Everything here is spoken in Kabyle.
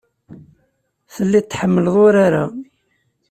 Telliḍ tḥemmleḍ urar-a.